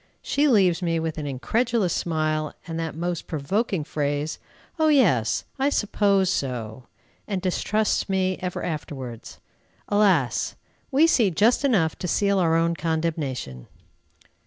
She leaves me with an incredulous smile, and that most provoking phrase, "O yes! I suppose so!" and distrusts me ever afterwards. Alas! we see just enough to seal our own condemnation.